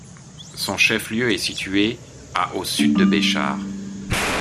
Son chef-lieu est situé à au sud de Béchar.